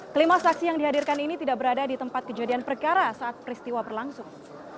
kelima saksi yang dihadirkan ini tidak berada di tempat kejadian perkara saat peristiwa berlangsung